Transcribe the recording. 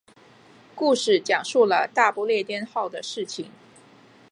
故事讲述了大不列颠号的事情。